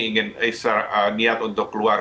ingin niat untuk keluar